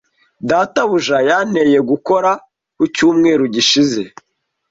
Databuja yanteye gukora ku cyumweru gishize.